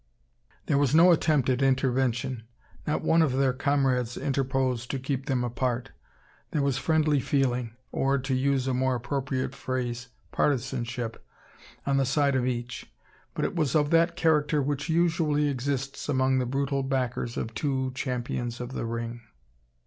There was no attempt at intervention. Not one of their comrades interposed to keep them apart. There was friendly feeling, or, to use a more appropriate phrase, partisanship, on the side of each; but it was of that character which usually exists among the brutal backers of two "champions of the ring."